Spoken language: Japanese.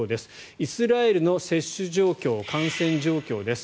イスラエルの接種状況感染状況です。